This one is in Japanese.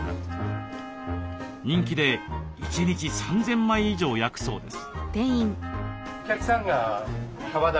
人気で一日３，０００枚以上焼くそうです。